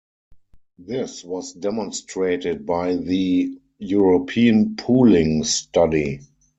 This was demonstrated by the European pooling study.